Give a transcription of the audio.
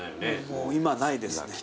もう今ないですね。